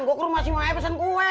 gue ke rumah si maaya pesen kue